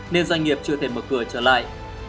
nên doanh nghiệp chưa thể mở cửa trở lại